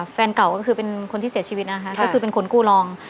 แฟนเก่าเป็นคนที่เสียชีวิตซึ่งเป็นคนกู้รอง